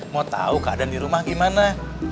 mau tahu keadaan di rumah gimana